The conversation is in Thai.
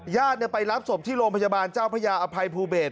ญาติไปรับศพที่โรงพยาบาลเจ้าพระยาอภัยภูเบศ